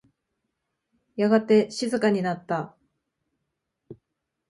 やがて静かになった。